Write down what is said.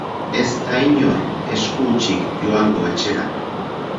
Ez da inor esku-hutsik joango etxera.